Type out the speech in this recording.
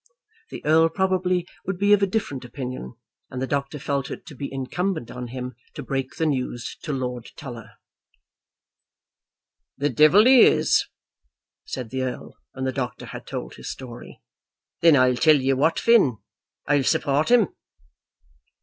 The Earl probably would be of a different opinion, and the doctor felt it to be incumbent on him to break the news to Lord Tulla. "The devil he is!" said the Earl, when the doctor had told his story. "Then I'll tell you what, Finn, I'll support him."